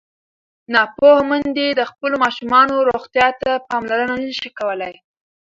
ناپوهه میندې د خپلو ماشومانو روغتیا ته پاملرنه نه شي کولی.